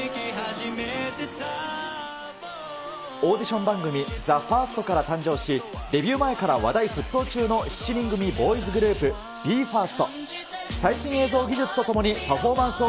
オーディション番組、ザ・ファーストから誕生し、デビュー前から話題沸騰中の７人組ボーイズグループ、ビーファースト。